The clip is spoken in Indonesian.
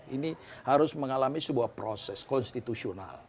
ini harus mengalami sebuah proses konstitusional